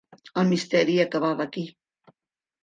El misteri acabava aquí.